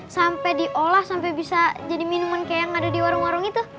sampai diolah sampai bisa jadi minuman kayak yang ada di warung warung itu